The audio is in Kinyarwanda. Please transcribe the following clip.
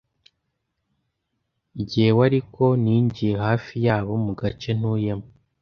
Jyewe ariko ninjiye hafi yabo mugace ntuyemo.